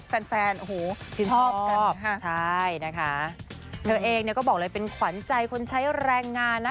แฟนแฟนโอ้โหชื่นชอบกันค่ะใช่นะคะเธอเองเนี่ยก็บอกเลยเป็นขวัญใจคนใช้แรงงานนะ